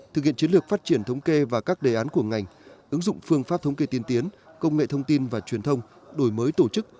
thực hiện chiến lược phát triển thống kê và các đề án của ngành ứng dụng phương pháp thống kê tiên tiến công nghệ thông tin và truyền thông đổi mới tổ chức